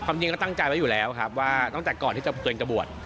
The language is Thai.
คำจริงเราก็ตั้งใจไว้อยู่แล้วตั้งแต่ก่อนที่ตัวเองจะบูด